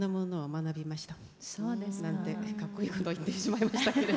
なんてかっこいいことを言ってしまいましたけれども。